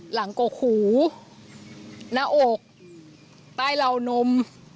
หลังกกหูหน้าอกใต้เหลานม